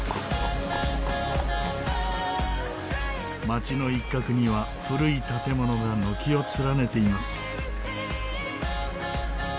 町の一角には古い建物が軒を連ねています。